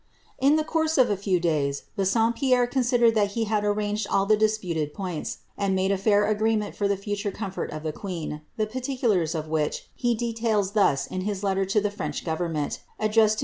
In the course of a few days, Bassompierre considered that he had arranged all the disputed points, and made a fair agreement for the future comfort of the queen, the particulars of which he details thus in his letter to the French government, addressed to M.